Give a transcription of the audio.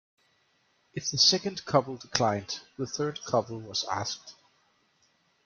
If the second couple declined, the third couple was asked.